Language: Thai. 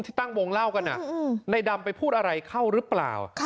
ตั้งวงเล่ากันในดำไปพูดอะไรเข้าหรือเปล่า